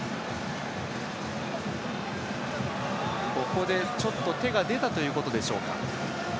ここで、ちょっと手が出たということでしょうか。